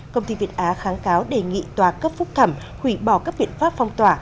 công ty việt á kháng cáo đề nghị tòa cấp phúc thẩm hủy bỏ các biện pháp phong tỏa